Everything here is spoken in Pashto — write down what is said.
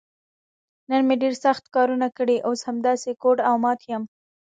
نن مې ډېر سخت کارونه کړي، اوس همداسې ګوډ او مات یم.